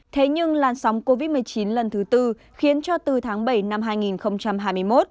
thế nhưng lan sóng covid một mươi chín lần thứ tư khiến cho từ tháng bảy năm hai nghìn hai mươi một